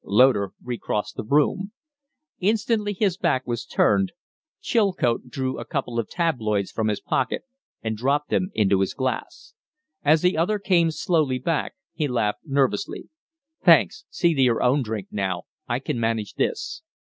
Loder recrossed the room. Instantly his back was turned, Chilcote drew a couple of tabloids from his pocket and dropped them into his glass. As the other came slowly back he laughed nervously. "Thanks. See to your own drink now; I can manage this."